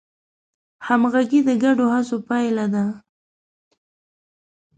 همغږي د ګډو هڅو پایله ده.